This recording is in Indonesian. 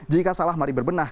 jika salah mari berbenah